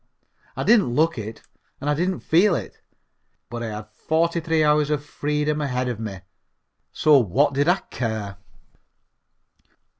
I didn't look it, and I didn't feel it, but I had forty three hours of freedom ahead of me, so what did I care?